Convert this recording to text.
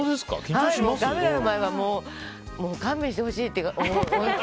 カメラの前は勘弁してほしいって思う。